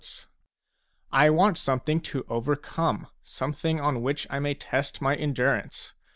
a I want something to overcome, something on which I may test my endurance.